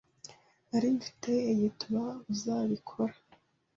Nari mfite igituba uzabikora.